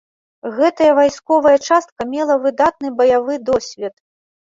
Гэтая вайсковая частка мела выдатны баявы досвед.